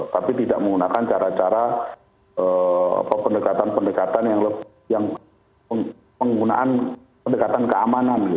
tapi tidak menggunakan cara cara pendekatan pendekatan yang lebih yang menggunakan pendekatan keamanan gitu